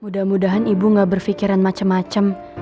mudah mudahan ibu gak berpikiran macem macem